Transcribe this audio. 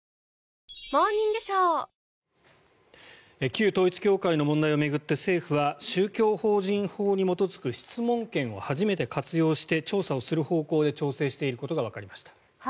旧統一教会の問題を巡って政府は宗教法人法に基づく質問権を初めて活用して調査をする方向で調整していることがわかりました。